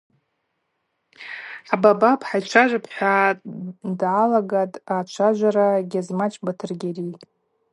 Хӏабабапӏ-хӏайчважвапӏ – хӏва дгӏалагатӏ ачважвара Гьазмач Батыргьари.